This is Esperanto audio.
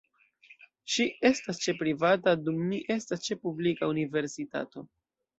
Ŝi estas ĉe privata dum mi estas ĉe publika universitato.